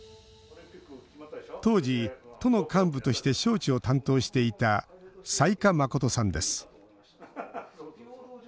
当時都の幹部として招致を担当していた雜賀真さんです。